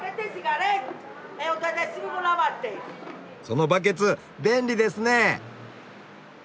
そのバケツ便利ですね！